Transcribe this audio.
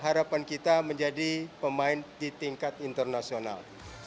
harapan kita menjadi pemain di tingkat internasional